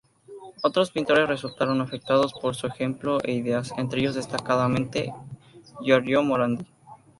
Otros pintores resultaron afectados por su ejemplo e ideas, entre ellos destacadamente Giorgio Morandi.